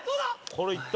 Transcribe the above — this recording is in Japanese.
これはいった？